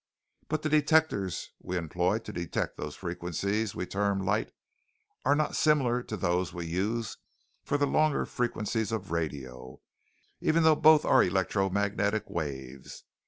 But the detectors we employ to detect those frequencies we term 'light' are not similar to those we use for the longer frequencies of radio, even though both are electromagnetic waves.